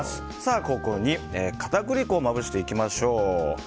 ここに片栗粉をまぶしていきましょう。